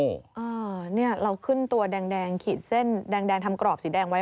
เราขึ้นตัวแดงขีดเส้นแดงทำกรอบสีแดงไว้